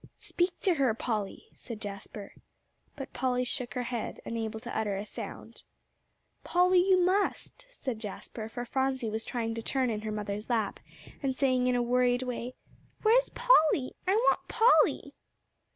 "Speak to her, Polly," said Jasper. But Polly shook her head, unable to utter a sound. "Polly, you must," said Jasper, for Phronsie was trying to turn in her mother's lap, and saying in a worried way, "Where's Polly? I want Polly."